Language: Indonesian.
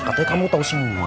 katanya kamu tahu semua